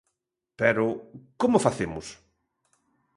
Pero, ¿como facemos?